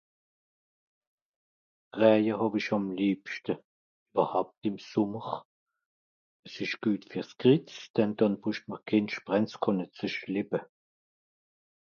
Räje hàw-ìch àm lìebschte. (...) ìm Sùmmer. S'ìsch güet fer s'(...), denn dànn brücht mr kén (...)